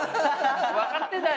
分かってたよ